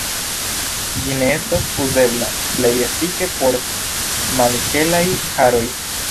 Ĝi ne estas uzebla plej efike por malhelaj haroj.